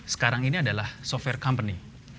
sekarang ini adalah software company